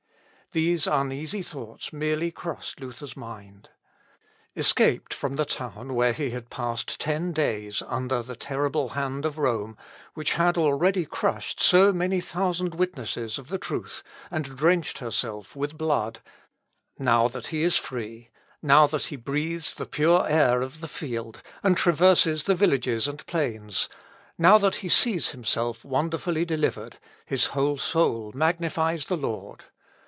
These uneasy thoughts merely crossed Luther's mind. Escaped from the town, where he had passed ten days under the terrible hand of Rome, which had already crushed so many thousand witnesses of the truth, and drenched herself with blood now that he is free, now that he breathes the pure air of the field, and traverses the villages and plains now that he sees himself wonderfully delivered his whole soul magnifies the Lord.